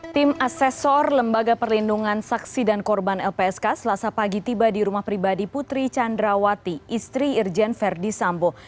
tim asesor lembaga perlindungan saksi dan korban lpsk selasa pagi tiba di rumah pribadi putri candrawati istri irjen verdi sambo